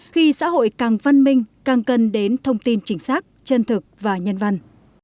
khi xã hội càng văn minh càng cần đến thông tin chính xác chân thực và nhân văn